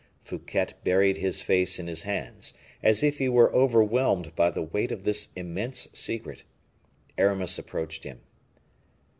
Fouquet buried his face in his hands, as if he were overwhelmed by the weight of this immense secret. Aramis approached him.